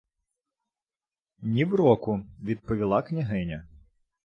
— Нівроку, — відповіла княгиня.